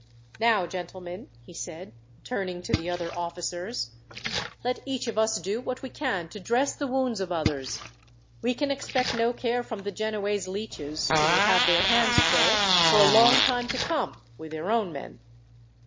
"Now, gentlemen," he said, turning to the other officers, "let each of us do what we can to dress the wounds of others. We can expect no care from the Genoese leeches, who will have their hands full, for a long time to come, with their own men.